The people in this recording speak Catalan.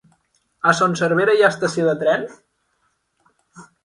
A Son Servera hi ha estació de tren?